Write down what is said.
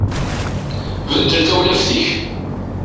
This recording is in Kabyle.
Beddel tawlaft-ik.